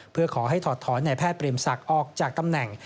เพื่อขอให้ถอดถอนในแพทย์เปรมศักดิ์ออกจากตำแหน่ง